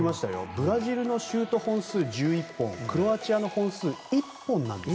ブラジルのシュート本数１１本クロアチアの本数１本なんです。